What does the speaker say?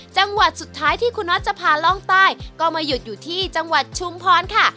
จังหวัดสุดท้ายที่คุณน็อตจะพาล่องใต้ก็มาหยุดอยู่ที่จังหวัดชุมพรค่ะ